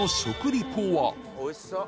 おいしそう。